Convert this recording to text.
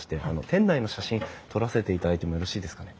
店内の写真撮らせていただいてもよろしいですかね？